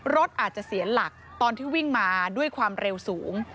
รถอาจจะเสียหลักตอนที่วิ่งมาด้วยความเร็วสูง